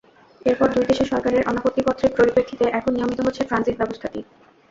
এরপর দুই দেশের সরকারের অনাপত্তিপত্রের পরিপ্রেক্ষিতে এখন নিয়মিত হচ্ছে ট্রানজিট ব্যবস্থাটি।